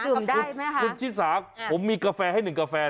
คุณชิศาผมมีกาแฟให้๑กาแฟ